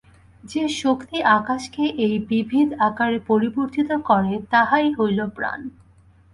যে শক্তি আকাশকে এই বিবিধ আকারে পরিবর্তিত করে, তাহাই হইল প্রাণ।